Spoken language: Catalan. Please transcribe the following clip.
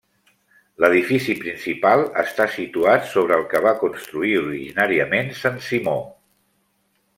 L'edifici principal està situat sobre el que va construir originàriament sant Simó.